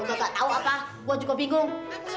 lu ga tau apa gua juga bingung